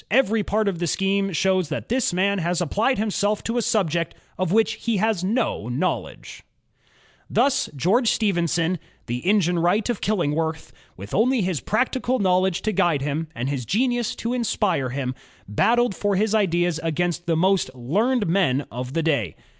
... Every part of the scheme shows that this man has applied himself to a subject of which he has no knowledge." LocoMonvB Thus George Stephenson, "the engine wright of Killing worth," with only his practical knowledge to guide him and his genius to inspire him, battled for his ideas against the most learned men of the day.